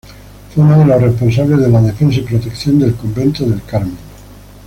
Fue uno de los responsables de la defensa y protección del convento del Carmen.